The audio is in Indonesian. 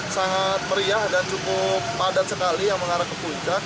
sangat meriah dan cukup padat sekali yang mengarah ke puncak